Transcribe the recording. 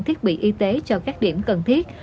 thiết bị y tế cho các điểm cần thiết